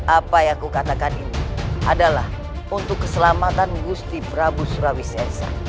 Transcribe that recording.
apa yang kukatakan ini adalah untuk keselamatan gusti prabu surawisesa